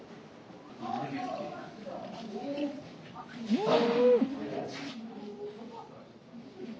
うん！